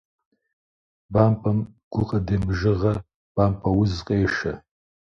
Бампӏэм гукъыдэмыжыгъэ, бампӏэ уз къешэ.